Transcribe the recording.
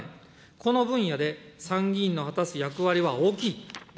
この分野で参議院の果たす役割は大きい。